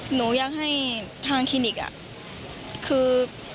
หนูอยากให้ทางคลินิกคือ